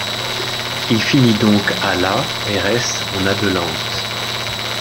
Il finit donc à la et reste en Adelante.